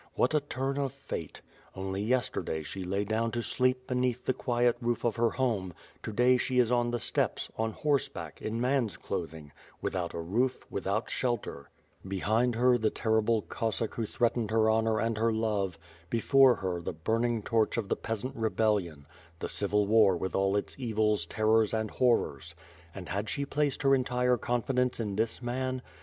What a turn of Fate! Only yesterday, she lay down to sleep beneath the quiet roof of her home; to day she is on the steppes, on horseback, in man's clothing, without a roof, without shelter; behind her the terrible Cossack who threatened her honor and her love; before her the burning torch of the peasant re bellion, the civil war with all its evils, terrors and horrors? And had she placed her entire confidence in this man?